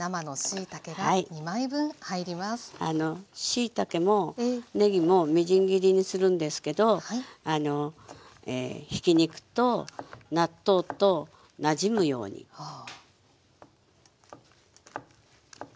あのしいたけもねぎもみじん切りにするんですけどひき肉と納豆となじむように切りますね。